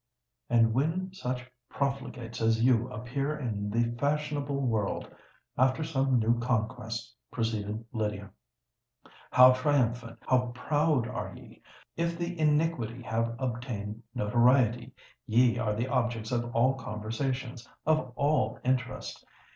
"And when such profligates as you appear in the fashionable world, after some new conquest," proceeded Lydia, "how triumphant—how proud are ye, if the iniquity have obtained notoriety! Ye are the objects of all conversation—of all interest!